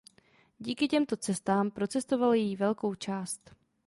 Díky těmto cestám procestoval její velkou část.